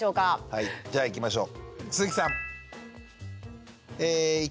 はいじゃあいきましょう。